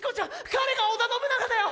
彼が織田信長だよ！